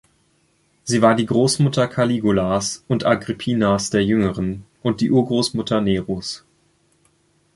Sie war die Großmutter Caligulas und Agrippinas der Jüngeren und die Urgroßmutter Neros.